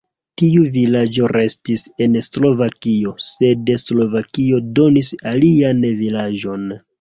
Tiu vilaĝo restis en Slovakio, sed Slovakio donis alian vilaĝon.